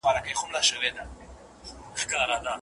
د ږدن او مڼې ځای د ډنډ ترڅنګ ړنګیږي.